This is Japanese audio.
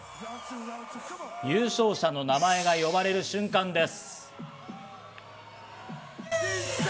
優勝者の名前が呼ばれる瞬間です。